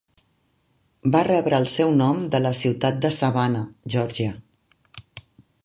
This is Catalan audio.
Va rebre el seu nom de la ciutat de Savannah, Georgia.